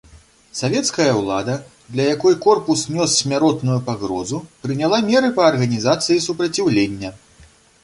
Савецкая ўлада, для якой корпус нёс смяротную пагрозу, прыняла меры па арганізацыі супраціўлення.